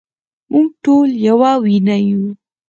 مونږ ټول يوه وينه يو